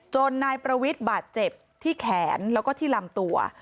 นายประวิทย์บาดเจ็บที่แขนแล้วก็ที่ลำตัว